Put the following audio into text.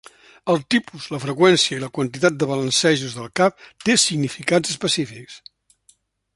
El tipus, la freqüència, i la quantitat de balancejos del cap té significats específics.